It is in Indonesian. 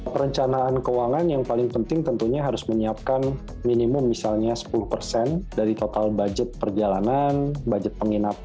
perencanaan keuangan yang paling penting tentunya harus menyiapkan minimum misalnya sepuluh persen dari total budget perjalanan budget penginapan